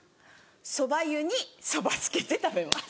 そば湯にそばつけて食べます。